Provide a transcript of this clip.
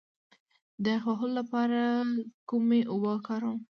د یخ وهلو لپاره کومې اوبه وکاروم؟